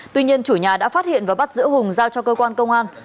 tuy nhiên chủ nhà đã phát hiện và bắt giữ hùng giao cho cơ quan công an